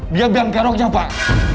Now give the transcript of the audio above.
dia bilang peroknya pak